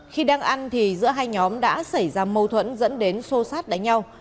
khi đang ăn thì giữa hai nhóm đã xảy ra mâu thuẫn dẫn đến xô sát đánh nhau